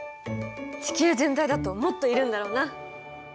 地球全体だともっといるんだろうな。